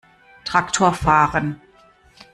Traktor fahren!